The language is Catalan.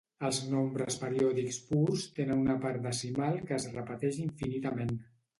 Els nombres periòdics purs tenen una part decimal que es repeteix infinitament.